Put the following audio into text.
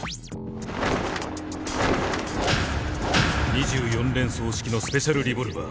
２４連装式のスペシャルレボルバー。